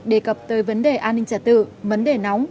đề cập tới vấn đề an ninh trả tự vấn đề nóng